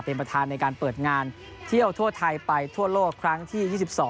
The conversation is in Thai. เป็นประธานในการเปิดงานเที่ยวทั่วไทยไปทั่วโลกครั้งที่๒๒